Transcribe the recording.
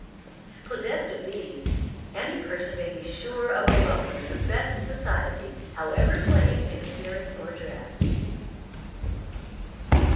Possessed of these, any person may be sure of a welcome in the best society, however plain in appearance or dress.